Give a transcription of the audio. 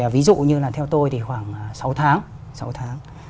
ví dụ như là theo tôi thì khoảng sáu tháng sáu tháng